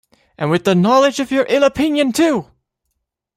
and with the knowledge of your ill opinion, too!